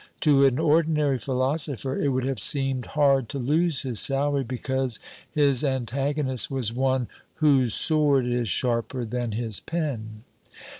To an ordinary philosopher it would have seemed hard to lose his salary because his antagonist was one Whose sword is sharper than his pen.